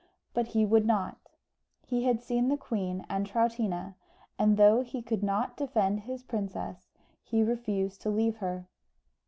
But he would not. He had seen the queen and Troutina, and though he could not defend his princess, he refused to leave her.